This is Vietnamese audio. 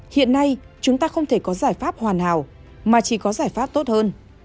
hiện nay chúng ta không thể có giải pháp hoàn hảo mà chỉ có giải pháp tốt hơn